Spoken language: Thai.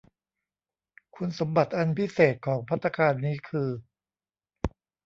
คุณสมบัติอันพิเศษของภัตตาคารนี้คือ